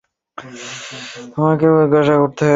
আঞ্জলি তোমাকে কিছু জিজ্ঞাসা করতে পারি?